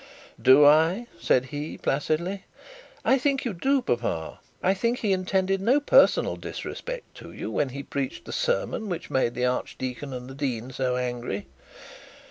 'Do I?' said he, placidly. 'I think you do, papa. I think he intended no personal disrespect to you when he preached the sermon which made the archdeacon and the dean so angry.!'